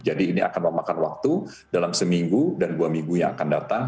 jadi ini akan memakan waktu dalam seminggu dan dua minggu yang akan datang